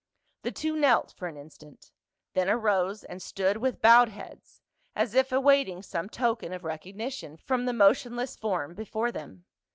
The two knelt for an instant, then arose and stood with bowed heads, as if awaiting some token of recog nition from the motionless form before them.